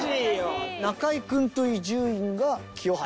中居君と伊集院が清原。